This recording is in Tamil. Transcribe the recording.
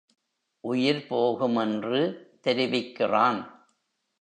உயிர் போகும் என்று தெரிவிக்கிறான்.